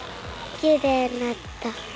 きれいになった。